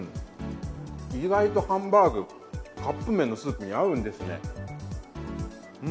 意外とハンバーグ、カップ麺のスープに合うんですね。